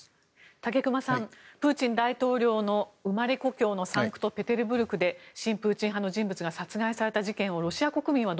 武隈さんプーチン大統領の生まれ故郷のサンクトペテルブルクで親プーチン派の人物が殺害された事件をロシア国民は